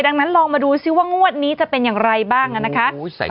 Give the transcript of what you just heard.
ดังนั้นลองมาดูซิว่างวดนี้จะเป็นอย่างไรบ้างนะคะ